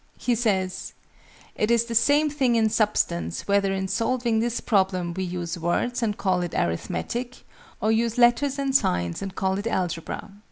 He says "it is the same thing in substance whether in solving this problem we use words and call it Arithmetic, or use letters and signs and call it Algebra."